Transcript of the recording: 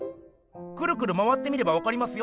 くるくる回って見ればわかりますよ。